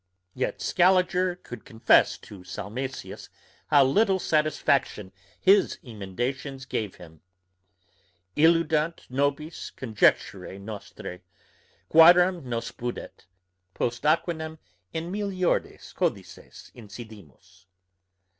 Yet Scaliger could confess to Salmasius how little satisfaction his emendations gave him. Illudunt nobis conjectureæ nostræ, quarum nos pudet, posteaquam in meliores codices incidimus.